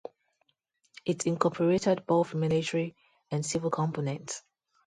It incorporated both military and civil components.